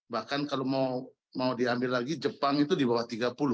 bahkan kalau mau diambil lagi jepang itu di bawah tiga puluh